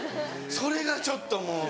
それがちょっともう。